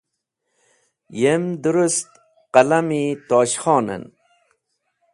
Yem dũrũst, qalam-e Tosh Khonen.